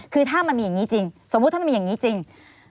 คือถ้ามันมีอย่างนี้จริงสมมุติถ้ามันมีอย่างนี้จริง